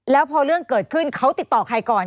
แล้วพอเรื่องเกิดขึ้นเขาติดต่อใครก่อน